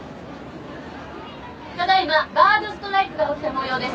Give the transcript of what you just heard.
ただ今バードストライクが起きた模様です。